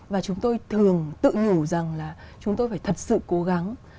và chúng tôi thường tự nhủ rằng là chúng tôi phải thật sự cố gắng